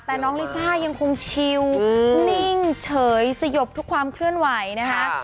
แต่น้องลิซ่ายังคงชิลนิ่งเฉยสยบทุกความเคลื่อนไหวนะคะ